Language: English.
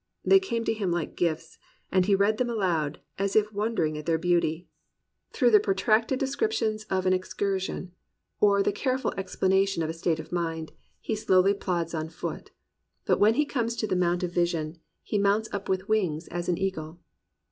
They came to him like gifts, and he read them aloud as if wondering at their beauty. 205 COMPANIONABLE BOOKS Through the protracted description of an excursion, or the careful explanation of a state of mind, he slowly plods on foot; but when he comes to the mount of vision, he mounts up with wings as an eagle.